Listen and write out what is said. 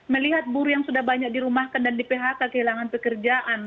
melihat buruh yang sudah banyak dirumahkan dan di phk kehilangan pekerjaan